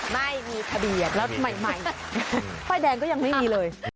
ไม่มีทะเบียนแล้วใหม่ป้ายแดงก็ยังไม่มีเลย